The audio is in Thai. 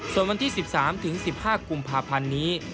ส่วนวันที่๑๓๑๕กุมภาพันธ์นี้